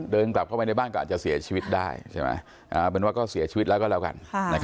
เดินกลับเข้าไปในบ้านก็อาจจะเสียชีวิตได้ใช่ไหมเอาเป็นว่าก็เสียชีวิตแล้วก็แล้วกัน